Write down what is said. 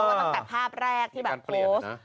เพราะว่าตั้งแต่ภาพแรกที่แบบโพสต์